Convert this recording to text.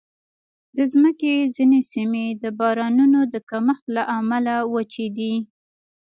د مځکې ځینې سیمې د بارانونو د کمښت له امله وچې دي.